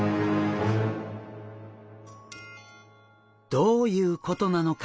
どういうことなのか？